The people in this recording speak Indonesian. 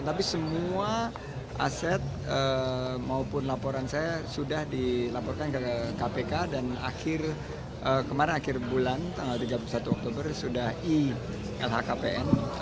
tapi semua aset maupun laporan saya sudah dilaporkan ke kpk dan kemarin akhir bulan tanggal tiga puluh satu oktober sudah i lhkpn